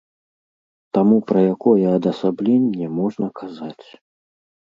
Таму пра якое адасабленне можна казаць?